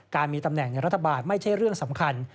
มีตำแหน่งในรัฐบาลไม่ใช่เรื่องสำคัญ